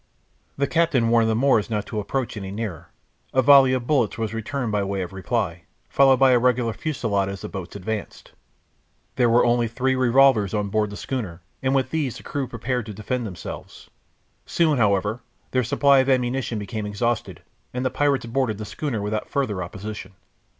The captain warned the Moors not to approach any nearer; a volley of bullets was returned by way of reply, followed by a regular fusillade as the boats advanced. There were only three revolvers on board the schooner, and with these the crew prepared to defend themselves. Soon, however, their supply of ammunition became exhausted, and the pirates boarded the schooner without further opposition.